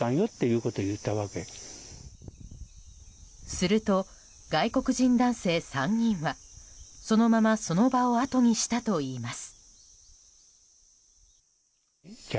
すると、外国人男性３人はそのままその場を後にしたといいます。